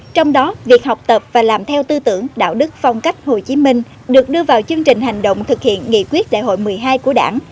trong đó việc học tập và làm theo tư tưởng đạo đức phong cách hồ chí minh được đưa vào chương trình hành động thực hiện nghị quyết đại hội một mươi hai của đảng